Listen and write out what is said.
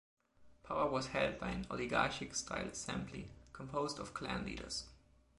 Power was held by an oligarchic-style assembly, composed of clan leaders.